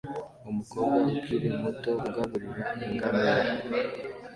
Umukobwa ukiri muto ugaburira ingamiya